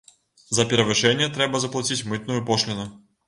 За перавышэнне трэба заплаціць мытную пошліну.